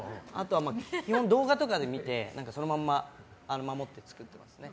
基本動画とかで見てそのまま作ってますね。